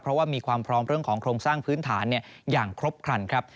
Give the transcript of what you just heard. เพราะว่ามีความพร้อมเรื่องของโครงสร้างพื้นฐานอย่างครบครันครับ